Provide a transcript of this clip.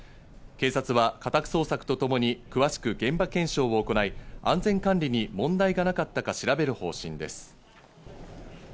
警察は家宅捜索とともに詳しく現場検証を行い、安全管理に問題がなかったか調べる方針です。